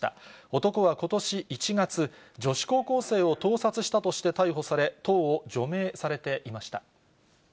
男はことし１月、女子高校生を盗撮したとして逮捕され、党を除名されていました。